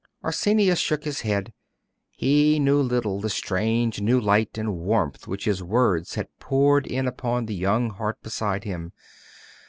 Arsenius shook his head. He little knew the strange new light and warmth which his words had poured in upon the young heart beside him.